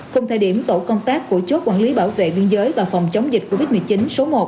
cùng thời điểm tổ công tác của chốt quản lý bảo vệ biên giới và phòng chống dịch covid một mươi chín số một